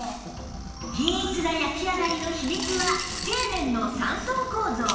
均一な焼き上がりの秘密は底面の３層構造